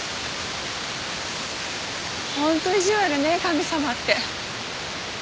本当意地悪ね神様って。